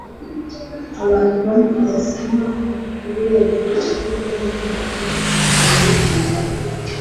abantu bamwe basa nkaho bibagiwe uko byari bimeze mbere yintambara